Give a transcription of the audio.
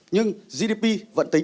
nhưng gdp vẫn tính